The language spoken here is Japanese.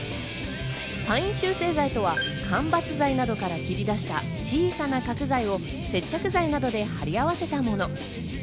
パイン集成材とは間伐材などから切り出した小さな角材を接着剤などで張り合わせたもの。